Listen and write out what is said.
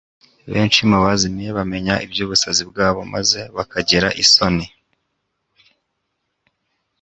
Benshi mu bazimiye bamenya iby'ubusazi bwabo maze bakagira isoni.